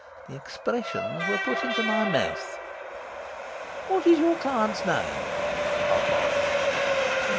The expressions were put into my mouth.' 'What is your client's name?' asked Morris.